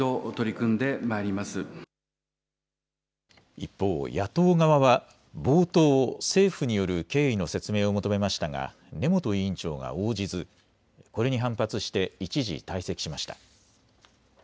一方、野党側は冒頭、政府による経緯の説明を求めましたが根本委員長が応じずこれに反発して一時退席しました。